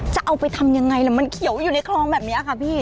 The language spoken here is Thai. จะเอาไปทำยังไงล่ะมันเขียวอยู่ในคลองแบบนี้ค่ะพี่